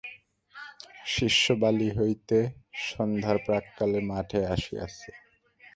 শিষ্য বালি হইতে সন্ধ্যার প্রাক্কালে মঠে আসিয়াছে।